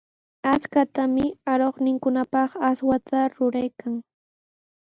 Ishtimi aruqninkunapaq aswata ruraykan.